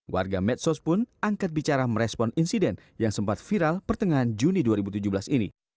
warga medsos pun angkat bicara merespon insiden yang sempat viral pertengahan juni dua ribu tujuh belas ini